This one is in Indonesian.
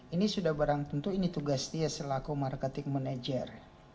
ini sudah barang tentu ini tugas dia selaku marketing manager